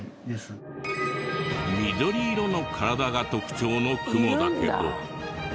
緑色の体が特徴のクモだけど。